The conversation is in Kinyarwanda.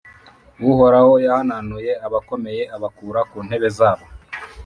Uhoraho yahanantuye abakomeye abakura ku ntebe zabo,